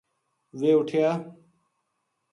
ویہ اُٹھیا